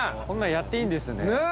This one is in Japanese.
こんなのやっていいんですね。